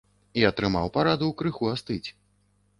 І атрымаў параду крыху астыць.